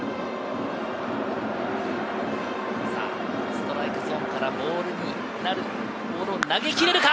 ストライクゾーンからボールになるものを投げきれるか？